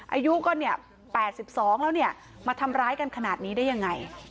อายุก็๘๒แล้วมาทำร้ายกันขนาดนี้ได้ยังไง